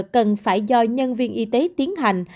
cần phải do nhân viên y tế tiến hành